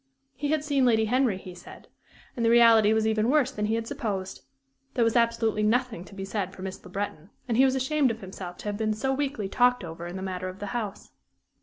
He had seen Lady Henry, he said, and the reality was even worse than he had supposed. There was absolutely nothing to be said for Miss Le Breton, and he was ashamed of himself to have been so weakly talked over in the matter of the house.